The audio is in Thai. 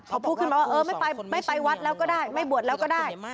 พอพูดขึ้นมาว่าเออไม่ไปไม่ไปวัดแล้วก็ได้ไม่บวชแล้วก็ได้